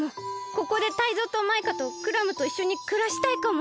ここでタイゾウとマイカとクラムといっしょにくらしたいかも。